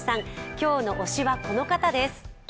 今日の推しは、この方です。